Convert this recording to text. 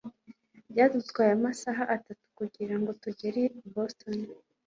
byadutwaye amasaha atatu kugirango tugere i boston